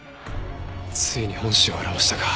ついに本性を現したか。